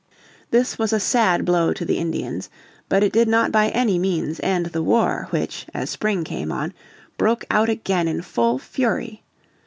This was a sad blow to the Indians, but it did not by any means end the war which, as spring came on, broke out again in full fury.